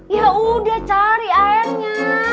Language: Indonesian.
ya udah cari airnya